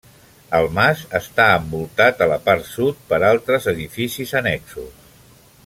El mas està envoltat a la part sud per altres edificis annexos.